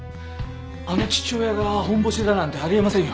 あの父親がホンボシだなんてあり得ませんよ。